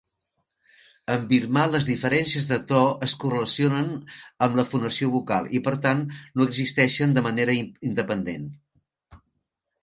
En birmà, les diferències de to es correlacionen amb la fonació vocal i, per tant, no existeixen de manera independent.